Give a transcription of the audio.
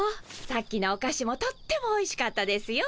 さっきのおかしもとってもおいしかったですよ